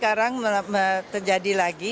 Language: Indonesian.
pertama kali kelihatan sekarang terjadi lagi